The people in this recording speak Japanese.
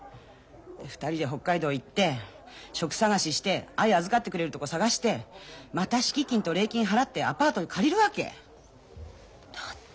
２人で北海道へ行って職探しして藍を預かってくれる所探してまた敷金と礼金払ってアパート借りるわけ？だって。